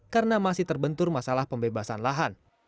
karena masih terbentur masalah pembebasan lahan